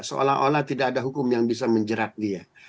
seolah olah tidak ada hukum yang bisa menjerat dia